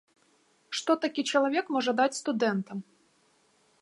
Што такі чалавек можа даць студэнтам?